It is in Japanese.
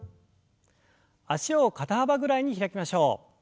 脚を肩幅ぐらいに開きましょう。